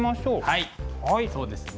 はいそうですね。